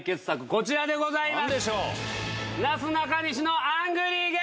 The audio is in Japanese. こちらでございます！